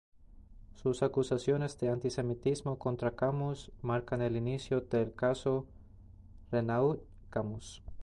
Sus acusaciones de antisemitismo contra Camus marcan el inicio del "caso Renaud Camus".